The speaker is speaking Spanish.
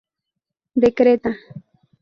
De Creta.